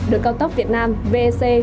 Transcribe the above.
được cao tốc việt nam vec